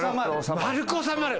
丸く収まる！